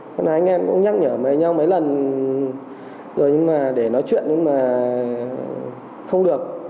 các anh em cũng nhắc nhở với nhau mấy lần rồi nhưng mà để nói chuyện nhưng mà không được